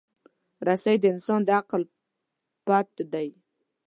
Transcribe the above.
رسۍ د انسان د عقل پُت دی.